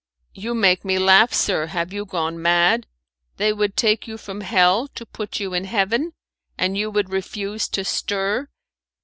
"You make me laugh, sir. Have you gone mad? They would take you from hell to put you in heaven, and you would refuse to stir?